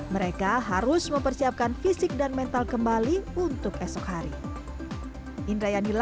mereka harus mempersiapkan fisik dan mental kembali untuk esok hari